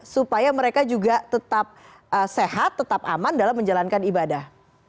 supaya mereka juga tetap sehat tetap aman dalam menjalankan ibadah